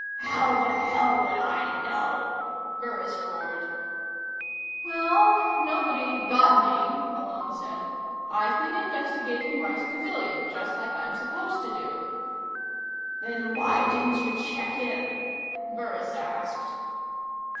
"How the hell would I know who?" Burris roared. "Well, nobody got me," Malone said. "I've been investigating Rice Pavilion, just like I'm supposed to do." "Then why didn't you check in?" Burris asked.